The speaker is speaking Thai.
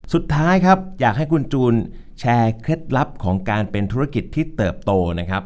สุดท้ายครับอยากให้คุณจูนแชร์เคล็ดลับของการเป็นธุรกิจที่เติบโตนะครับ